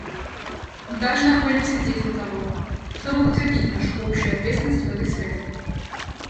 Мы также находимся здесь для того, чтобы подтвердить нашу общую ответственность в этой связи.